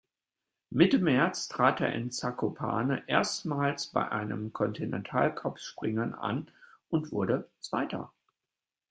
Mitte März trat er in Zakopane erstmals bei einem Continental-Cup-Springen an und wurde Zweiter.